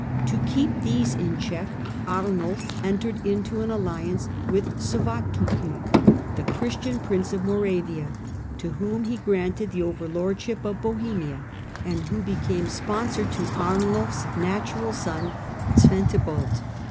To keep these in check Arnulf entered into an alliance with Suatopluk, the Christian Prince of Moravia, to whom he granted the overlordship of Bohemia, and who became sponsor to Arnulf 's natural son Zwentibold.